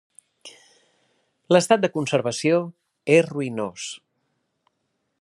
L'estat de conservació és ruïnós.